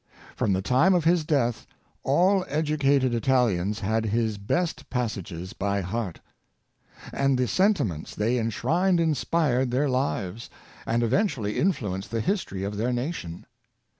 From the time of his death all educated Italians had his best pas sages by heart; and the sentiments they enshrined in spired their lives, and eventually influenced the history of their nation.